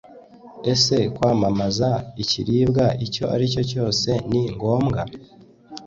ese kwamamaza ikiribwa icyo ari cyo cyose ni ngombwa?